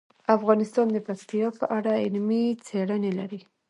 افغانستان د پکتیا په اړه علمي څېړنې لري.